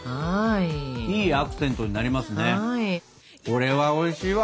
これはおいしいわ。